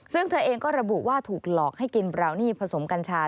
ซึ่งเธอเองก็ระบุว่าถูกหลอกให้กินบราวนี่ผสมกัญชา